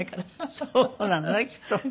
そうなのねきっとね。